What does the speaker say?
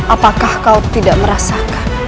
apakah kau tidak merasakan